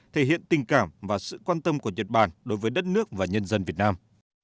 thể hiện tình cảm và sự quan tâm của nhật bản đối với đất nước và nhân dân việt nam